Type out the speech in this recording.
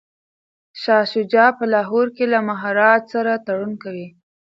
شاه شجاع په لاهور کي له مهاراجا سره تړون کوي.